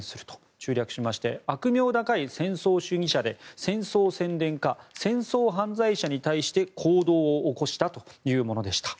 中略しまして悪名高い戦争主義者で戦争宣伝家戦争犯罪者に対して、行動を起こしたというものでした。